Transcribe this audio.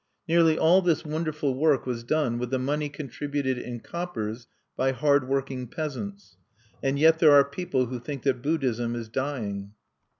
Nearly all this wonderful work was done with the money contributed in coppers by hard working peasants. And yet there are people who think that Buddhism is dying!